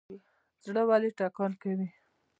زړه ولې ټکان کوي؟